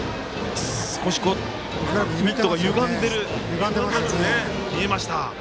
少しミットがゆがんだように見えました。